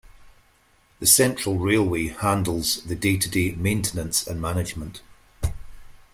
The Central Railway handles the day-to-day maintenance and management.